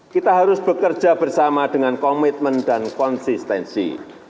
kita harus bekerja bersama dengan komitmen dan konsistensi